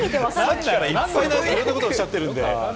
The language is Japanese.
さっきからいろんなことをおっしゃってるんで。